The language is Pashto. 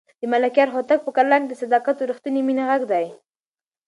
د ملکیار هوتک په کلام کې د صداقت او رښتونې مینې غږ دی.